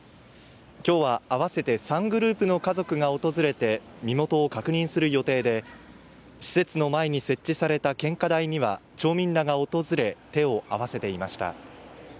今日は合わせて３グループの家族が訪れて身元を確認する予定で、施設の前に設置された献花台には町民らが訪れ、手を合わせていました。